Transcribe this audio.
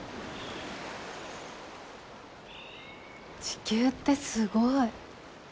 地球ってすごい。